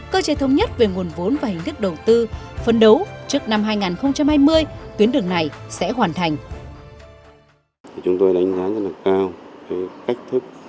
cơ chế thống nhất về nguồn vốn và hình thức đầu tư